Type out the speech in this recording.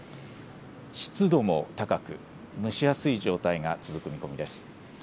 湿度も高く、蒸し暑い状態が続く見込みです。